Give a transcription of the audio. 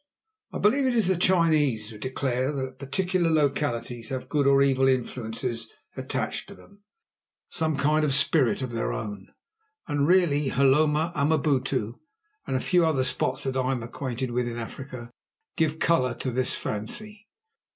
I believe it is the Chinese who declare that particular localities have good or evil influences attached to them, some kind of spirit of their own, and really Hloma Amabutu and a few other spots that I am acquainted with in Africa give colour to the fancy.